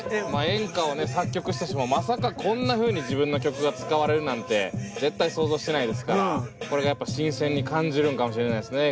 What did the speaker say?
演歌をね作曲した人もまさかこんなふうに自分の曲が使われるなんて絶対想像してないですからこれがやっぱ新鮮に感じるんかもしれないですね